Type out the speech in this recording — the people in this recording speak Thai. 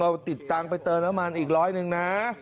ติดตังค์ไปเติมน้ำมันอีกร้อยหนึ่งนะ